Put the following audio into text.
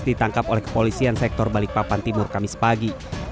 ditangkap oleh kepolisian sektor balikpapan timur kamis pagi